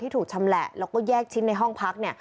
ที่ถูกชำแหละแล้วก็แยกชิ้นในห้องพัก